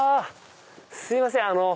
すいません。